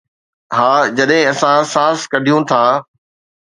ها، جڏهن اسان سانس ڪڍيون ٿا